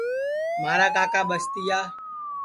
مھارا کاکا ٻستِیا